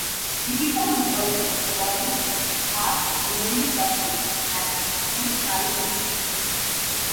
Mikita was also awarded the Hart Memorial Trophy as most valuable player.